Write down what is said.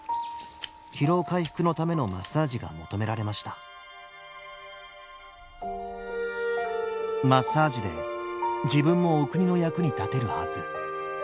疲労回復のためのマッサージが求められましたマッサージで自分もお国の役に立てるはず。